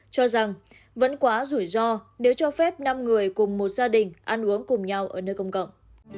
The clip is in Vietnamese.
cho rằng vẫn quá rủi ro nếu cho phép năm người cùng một gia đình ăn uống cùng nhau ở nơi công cộng